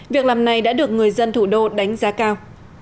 việc làm này đã được người dân thủ đô đánh giá cao